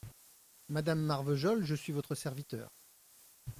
Madame Marvejol, je suis votre serviteur.